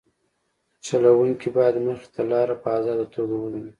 چلوونکی باید مخې ته لاره په ازاده توګه وویني